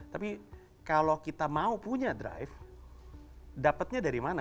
tapi kalau kita mau punya drive dapatnya dari mana